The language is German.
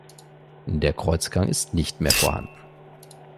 Der Kreuzgang ist nicht mehr vorhanden.